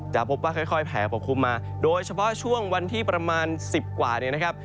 พบว่าค่อยแผลปกคลุมมาโดยเฉพาะช่วงวันที่ประมาณ๑๐กว่าเนี่ยนะครับ